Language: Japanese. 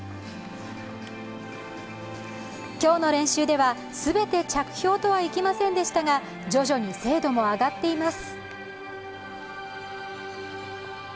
今日の練習では、全て着氷とはいきませんでしたが徐々に精度も上がっています。